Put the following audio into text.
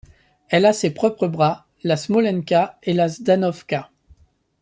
Elle a ses propres bras, la Smolenka et la Zhdanovka.